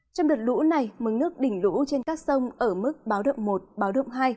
trong đợt lũ này mức nước đỉnh lũ trên các sông ở mức báo động một báo động hai